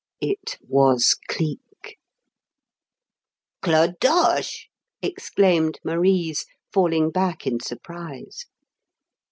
It was Cleek. "Clodoche!" exclaimed Marise, falling back in surprise.